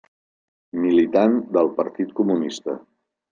Militant del Partit Comunista.